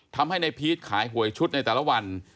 ทำให้ในพีชขายหวยชุดในแต่ละวัน